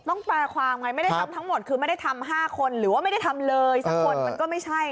แปลความไงไม่ได้ทำทั้งหมดคือไม่ได้ทำ๕คนหรือว่าไม่ได้ทำเลยสักคนมันก็ไม่ใช่